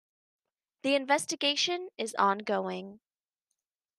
The investigation is ongoing.